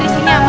satu dua tiga